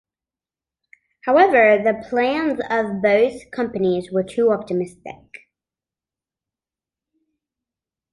However, the plans of both companies were too optimistic.